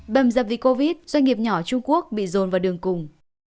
bầm dập vì covid doanh nghiệp nhỏ trung quốc bị dồn vào đường cùng